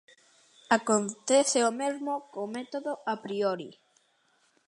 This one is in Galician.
Acontece o mesmo co método a priori.